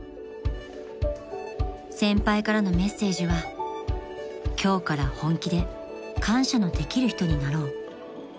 ［先輩からのメッセージは「今日から本気で感謝のできる人になろう」］